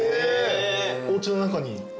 おうちの中に？